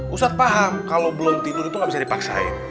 ustadz paham kalau belum tidur itu nggak bisa dipaksain